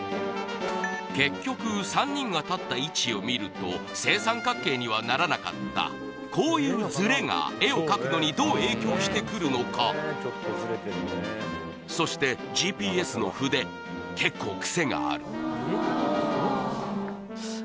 結局３人が立った位置を見ると正三角形にはならなかったこういうズレが絵を描くのにどう影響してくるのかそしてＧＰＳの筆結構クセがある